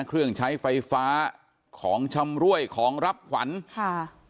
เครื่องใช้ไฟฟ้าของชำรวยของรับขวัญค่ะ